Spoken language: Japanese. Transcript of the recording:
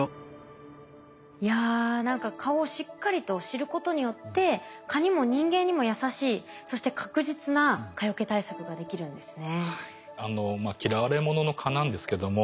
いや何か蚊をしっかりと知ることによって蚊にも人間にも優しいそして確実な蚊よけ対策ができるんですね。